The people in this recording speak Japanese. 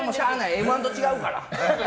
「Ｍ‐１」とちゃうから。